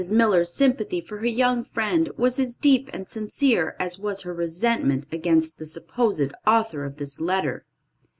Miller's sympathy for her young friend was as deep and sincere as was her resentment against the supposed author of this letter.